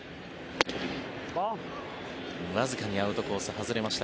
わずかにアウトコース、外れました。